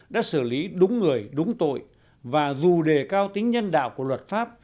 đã xử lý đúng người đúng tội và dù đề cao tính nhân đạo của luật pháp